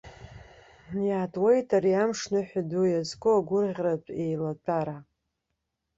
Иаатуеит ари амшныҳәа ду иазку агәырӷьаратә еилатәара.